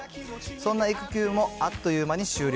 そんな育休もあっという間に終了。